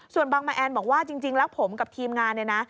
ส่วนบางแมนบอกว่าจริงแล้วผมกับทีมงาน